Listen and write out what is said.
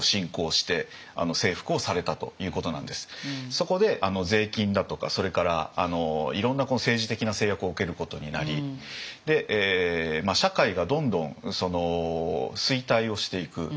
そこで税金だとかそれからいろんな政治的な制約を受けることになり社会がどんどん衰退をしていく。